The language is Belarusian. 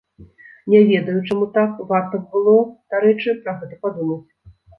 Не ведаю, чаму так, варта б было, дарэчы, пра гэта падумаць.